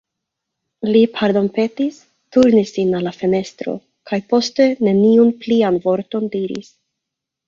Li pardonpetis, turnis sin al la fenestro, kaj poste neniun plian vorton diris.